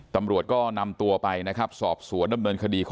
ตำรวจก็นำตัวไปนะครับสอบสวนดำเนินคดี